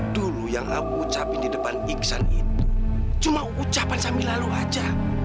dulu yang aku ucapin di depan iksan itu cuma ucapan sambil lalu aja